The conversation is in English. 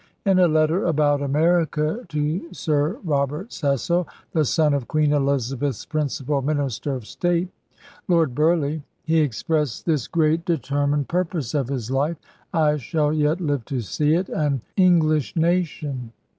In a letter about America to Sir Robert Cecil, the son of Queen Elizabeth's principal minister of state. Lord Burleigh, he expressed this great determined THE VISION OF THE WEST 207 purpose of his life: / shall yet live to see it an In glishe nation.